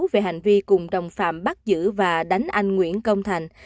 về hành vi cùng đồng phạm bắt giữ và đánh anh nguyễn công thành